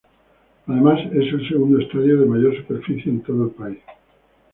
Además es el segundo estadio de mayor superficie en todo el país.